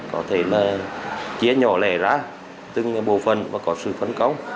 có thể là chia nhỏ lẻ ra từng bộ phần và có sự phấn công